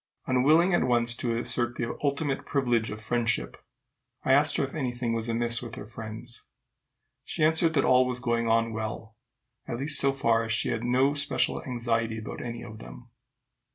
Unwilling at once to assert the ultimate privilege of friendship, I asked her if any thing was amiss with her friends. She answered that all was going on well, at least so far that she had no special anxiety about any of them.